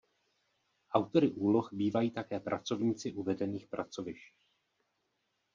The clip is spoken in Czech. Autory úloh bývají také pracovníci uvedených pracovišť.